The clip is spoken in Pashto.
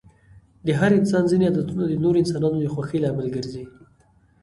د هر انسان ځيني عادتونه د نورو انسانانو د خوښی لامل ګرځي.